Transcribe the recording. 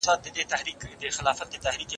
افغانستان د نړیوالو تړونونو ژمنې تل نه پوره کوي.